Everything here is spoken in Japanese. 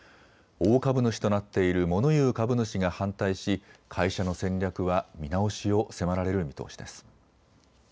大株主となっているモノ言う株主が反対し会社の戦略は見直しを迫られる見通しです。